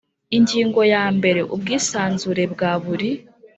Ingingo ya mbere Ubwisanzure bwa buri